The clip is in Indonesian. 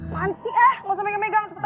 nanti ah gak usah megang megang sebentar